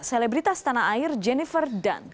selebritas tanah air jennifer dunn